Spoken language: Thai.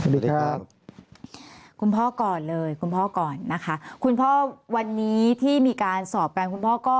เป็นเรื่องกันคุณพ่อก่อนเลยคุณค่ะแล้วคุณพ่อวันนี้ที่มีการสอบการคุณพ่อก็